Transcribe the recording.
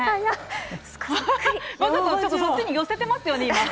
そっくり！わざと、そっちに寄せてますよね、今。